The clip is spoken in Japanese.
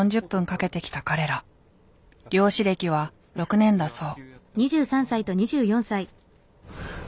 漁師歴は６年だそう。